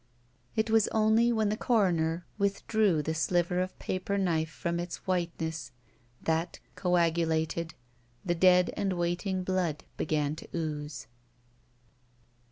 It was only when the coroner withdrew the sliver of paper knife from its whiteness, that, coagulated, the dead and waiting blood began to ooze.